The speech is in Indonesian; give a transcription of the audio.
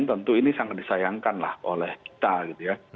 tentu ini sangat disayangkan lah oleh kita gitu ya